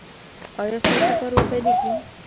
ایا ستاسو کار به پیلیږي؟